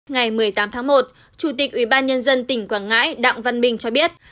ngày một mươi tám tháng một chủ tịch ubnd tỉnh quảng ngãi đặng văn bình cho biết